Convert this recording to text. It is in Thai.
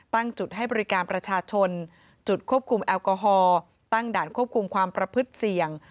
ตั้งจุดให้บริการประชาชนจุดควบคุมแอลกอฮอล์ตั้งด่านควบคุมความประพฤติเสี่ยง